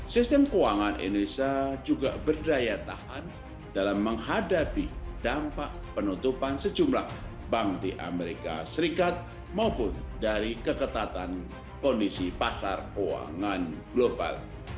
sistem keuangan indonesia juga berdaya tahan dalam menghadapi dampak penutupan sejumlah bank di amerika serikat maupun dari keketatan kondisi pasar keuangan global